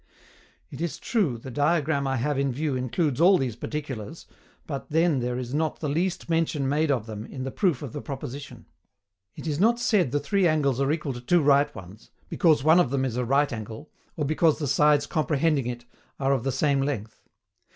It is true the diagram I have in view includes all these particulars, but then there is not the least mention made of them in the proof of the proposition. It is not said the three angles are equal to two right ones, because one of them is a right angle, or because the sides comprehending it are of the same length.